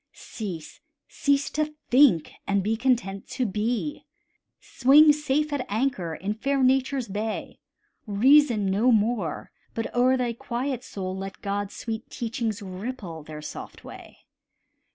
Cease, cease to think, and be content to be; Swing safe at anchor in fair Nature's bay; Reason no more, but o'er thy quiet soul Let God's sweet teachings ripple their soft way.